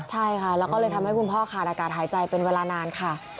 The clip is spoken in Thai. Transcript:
ใช่ค่ะแล้วก็เลยทำให้คุณพ่อขาดอากาศหายใจเป็นเวลานานค่ะ